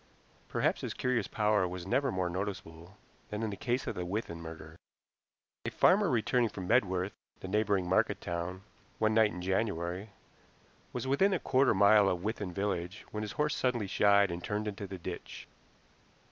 Perhaps his curious power was never more noticeable than in the case of the Withan murder. A farmer returning from Medworth, the neighboring market town, one night in January, was within a quarter of a mile of Withan village when his horse suddenly shied and turned into the ditch.